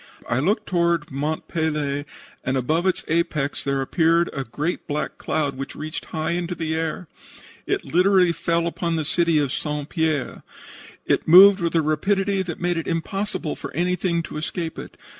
I looked toward Mont Pelee, and above its apex there appeared a great black cloud which reached high in the air. It literally fell upon the city of St. Pierre. It moved with a rapidity that made it impossible for anything to escape it.